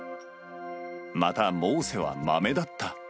またモーセはまめだった。